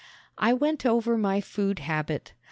I went over my food habit.